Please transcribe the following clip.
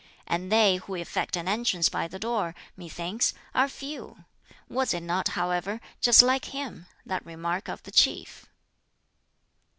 And they who effect an entrance by the door, methinks, are few! Was it not, however, just like him that remark of the Chief?"